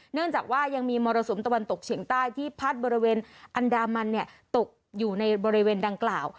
เนื่องจากว่ายังมีมรสุมตะวันตกเฉียงใต้ที่พัดบริเวณอันดามันตกอยู่ในบริเวณดังกล่าว